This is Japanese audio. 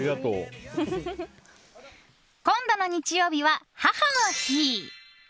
今度の日曜日は、母の日。